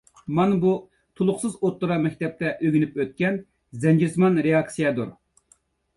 مانا بۇ تولۇقسىز ئوتتۇرا مەكتەپتە ئۆگىنىپ ئۆتكەن زەنجىرسىمان رېئاكسىيەدۇر.